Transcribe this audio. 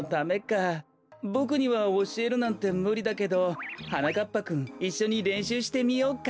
ボクにはおしえるなんてむりだけどはなかっぱくんいっしょにれんしゅうしてみようか？